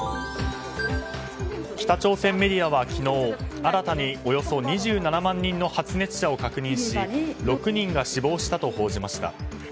北朝鮮メディアは昨日、新たにおよそ２７万人の発熱者を確認し６人が死亡したと報じました。